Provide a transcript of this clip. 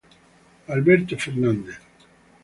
Alberto Fernández